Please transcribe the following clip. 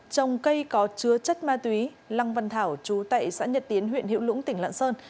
trồng cây có chứa chất ma túy lăng văn thảo chú tại xã nhật tiến huyện hiệu lũng tỉnh lạng sơn